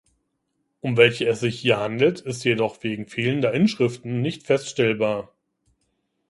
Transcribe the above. Um welche es sich hier handelt, ist jedoch wegen fehlender Inschriften nicht feststellbar.